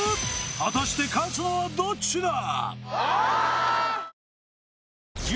果たして勝つのはどっちだ！